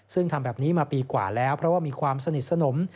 ซึ่งทำแบบนี้มาปีกว่าแล้วเพราะว่ามีความสนิทสนม